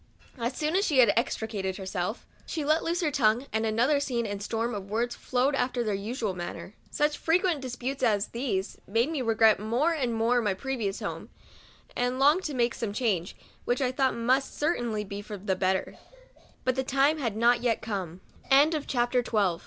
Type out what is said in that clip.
As soon as she had extricated herself, she let loose her tongue, and another scene and storm of words followed after their usual manner. Such frequent disputes as these made me regret more and more my previous home, and long to make some change, which I thought must certainly be for